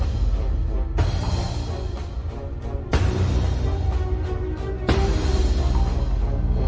รับกระเภาบาลไปต่อเกี่ยว